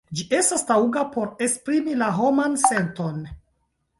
Ĝi estas taŭga por esprimi la homan senton.